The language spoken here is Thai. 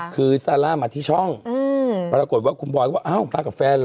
คือซาร่ามาที่ช่องปรากฏว่าคุณพลอยก็ว่าอ้าวมากับแฟนเหรอ